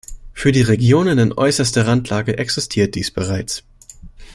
Für die Regionen in äußerster Randlage existiert dies bereits.